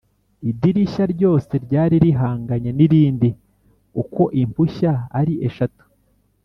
Idirishya ryose ryari rihanganye n’irindi uko impushya ari eshatu